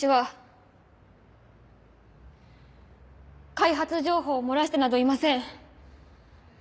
開発情報を漏らしてなどいません。